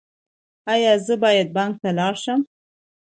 ایا زه باید بانک ته لاړ شم؟